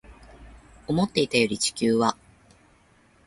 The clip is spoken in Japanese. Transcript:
思っていたより地球は